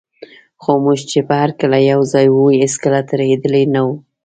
خو موږ چي به هر کله یوځای وو، هیڅکله ترهېدلي نه وو.